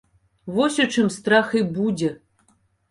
Вось у чым страх і будзе!